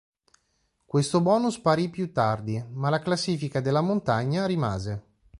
Questo bonus sparì più tardi, ma la classifica della montagna rimase.